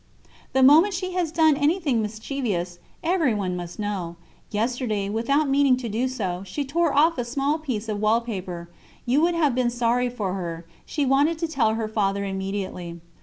The moment she has done anything mischievous, everyone must know. Yesterday, without meaning to do so, she tore off a small piece of wall paper; you would have been sorry for her she wanted to tell her father immediately.